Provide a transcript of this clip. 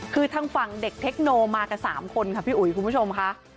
คือทางฝั่งเด็กเทคโนมากับ๓คนค่ะพี่อุ๋ยคุณผู้ชมค่ะ